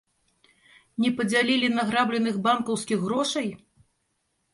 Не падзялілі награбленых банкаўскіх грошай?